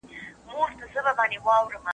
د کار له امله ما ډېره تفريح نه ده کړې.